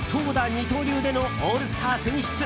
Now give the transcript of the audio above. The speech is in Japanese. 二刀流でのオールスター選出。